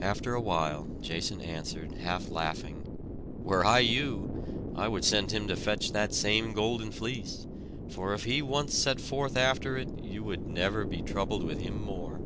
After awhile, Jason answered, half laughing, "Were I you, I would send him to fetch that same golden fleece; for if he once set forth after it you would never be troubled with him more."